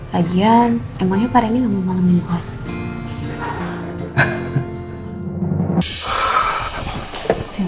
lagian emangnya pak randy gak mau malemin gue